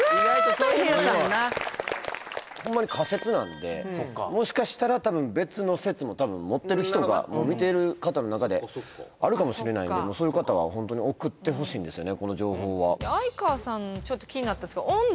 大変やったホンマに仮説なんでもしかしたら多分別の説も持ってる人が見てる方の中であるかもしれないんでそういう方はホントに送ってほしいんですよね